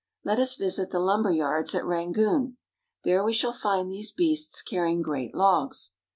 Let us visit the lumber yards at Rangoon. There we shall find these beasts carrying great logs.